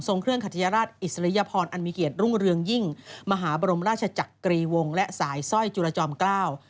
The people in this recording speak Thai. เครื่องขัทยาราชอิสริยพรอันมีเกียรติรุ่งเรืองยิ่งมหาบรมราชจักรีวงศ์และสายสร้อยจุลจอมเกล้า